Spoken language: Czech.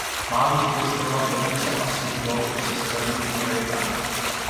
Má výškově spojovat Bohnice a Suchdol při severním okraji Prahy.